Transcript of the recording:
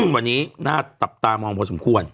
วันนี้น่าจับตามองพอสมควร